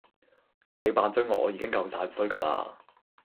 叫你扮追我已經夠哂衰㗎喇